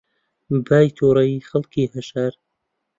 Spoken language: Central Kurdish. بای تووڕەیی خەڵکی هەژار